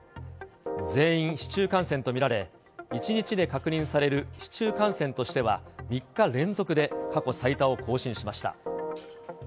全員、市中感染と見られ、１日で確認される市中感染としては、３日連続で過去最多を更新しました。